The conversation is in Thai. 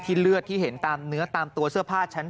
เลือดที่เห็นตามเนื้อตามตัวเสื้อผ้าฉัน